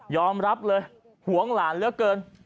อมรับเลยห่วงหลานเหลือเกิน